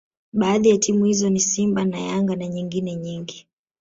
baadhi ya timu hizo ni simba na yanga na nyengine nyingi